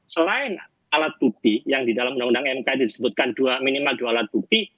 selain alat bukti yang di dalam undang undang mk itu disebutkan minimal dua alat bukti